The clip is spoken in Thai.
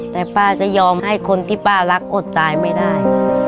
แต่ป้าจะยอมให้คนที่ป้ารักอดตายไม่ได้